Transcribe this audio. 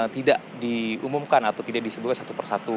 tidak diumumkan atau tidak disebutkan satu persatu